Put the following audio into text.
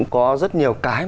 có rất nhiều cái